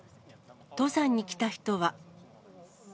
登山に来た人は。